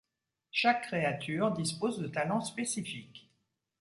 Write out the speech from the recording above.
Chaque créature dispose de talents spécifiques.